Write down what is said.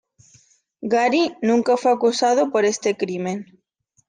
Gary nunca fue acusado por este crimen.